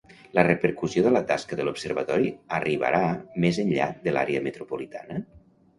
La repercussió de la tasca de l'observatori arribarà més enllà de l'àrea metropolitana?